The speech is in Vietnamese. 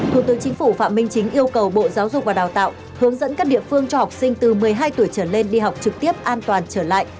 thủ tướng chính phủ phạm minh chính yêu cầu bộ giáo dục và đào tạo hướng dẫn các địa phương cho học sinh từ một mươi hai tuổi trở lên đi học trực tiếp an toàn trở lại